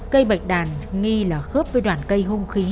cây bạch đàn nghi là khớp với đoạn cây hung khí